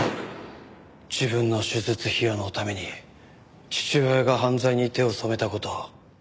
自分の手術費用のために父親が犯罪に手を染めた事を。